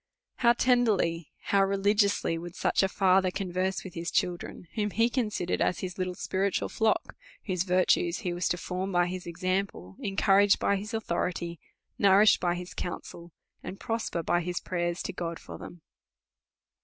How tenderly, how religiously, would such a father con verse with his children, whom he considered as his little spiritual flock, whose virtues he was to form by his example, encourage by his authority, nourish by his counsel, and prosper by his prayers to God for them